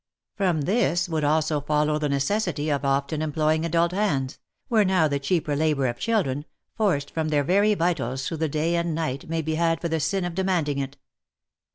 From this would also follow the necessity of often employing adult hands, where now the cheaper labour of children, forced from their very vitals through the day and night, may be had for the sin of demanding it.